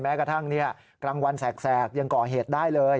กระทั่งกลางวันแสกยังก่อเหตุได้เลย